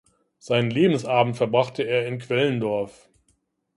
Seinen Lebensabend verbrachte er in Quellendorf.